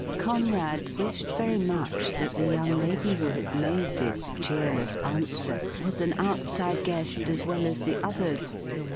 Conrad wished very much that the young lady who had made this cheerless answer was an outside guest as well as the others.